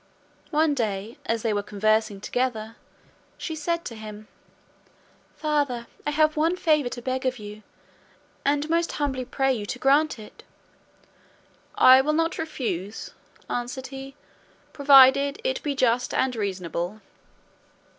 One day, as they were conversing together, she said to him, "Father, I have one favour to beg of you, and most humbly pray you to grant it." "I will not refuse," answered he, "provided it be just and reasonable."